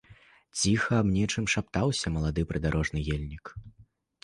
Ціха аб нечым шаптаўся малады прыдарожны ельнік.